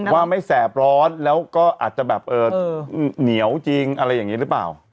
ว่าไม่แสบร้อนแล้วก็อาจจะแบบเหนียวจริงอะไรอย่างนี้หรือเปล่า